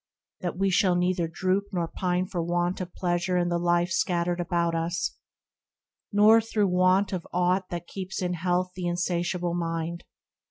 that we shall neither droop Nor pine for want of pleasure in the life Scattered about us, nor through want of aught That keeps in health the insatiable mind.